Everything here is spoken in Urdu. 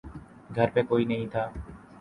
گھر پے کوئی نہیں تھا۔